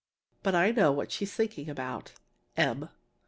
But I know what she is thinking about! M.